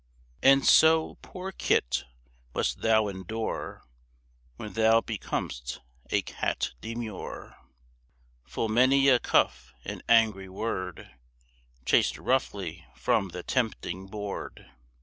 And so, poor kit! must thou endure, When thou becom'st a cat demure, Full many a cuff and angry word, Chased roughly from the tempting board.